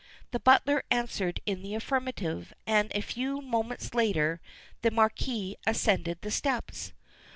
The butler answered in the affirmative, and a few moments later the Marquis ascended the steps.